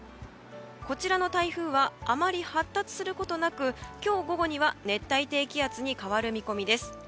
こちらの台風はあまり発達することなく今日午後には熱帯低気圧に変わる見込みです。